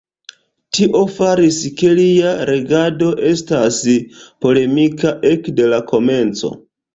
Tio faris ke lia regado estas polemika ekde la komenco.